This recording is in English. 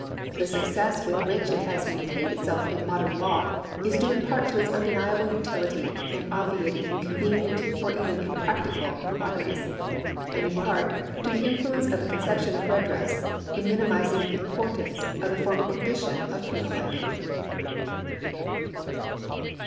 The success with which it has maintained itself in modern law is due in part to its inideniable utility in obviating inconvenient or even impracticable inquiries, and in part to the iiitluence of the conception of redress in minimising the importance of the formal condition of penal liability.